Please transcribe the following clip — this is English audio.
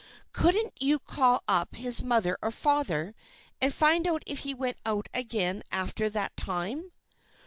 Couldn't you call up his mother or father, and find out if he went out again after that time?"